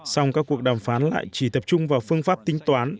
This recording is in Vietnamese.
và các nhà đàm phán lại chỉ tập trung vào phương pháp tính toán